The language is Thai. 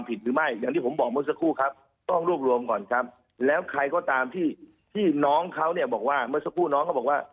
เมื่อสักครู่น้องเขาบอกว่า